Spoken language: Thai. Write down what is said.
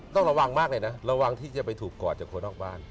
ต้องระวังมากเลยนะระวังที่จะไปถูกกอดจากคนนอกบ้าน